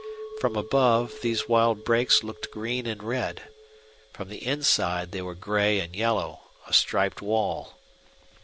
From above, these wild brakes looked green and red; from the inside they were gray and yellow a striped wall.